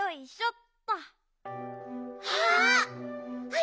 あ！